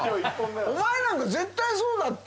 お前なんか絶対そうだって。